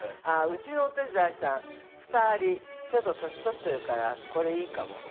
あ、うちのお手伝いさん、２人、ちょっと年取ってるから、これいいかも。